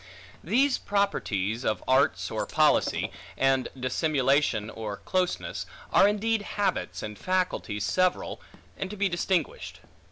These properties, of arts or policy, and dissimulation or closeness, are indeed habits and faculties several, and to be distinguished.